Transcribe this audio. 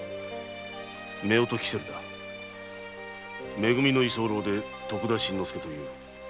め組の居候で徳田新之助という。